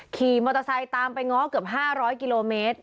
ขี่มอเตอร์ไซค์ตามไปง้อเกือบ๕๐๐กิโลเมตร